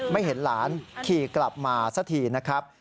ไม่เห็นหลานขี่กลับมาสักทีนะครับ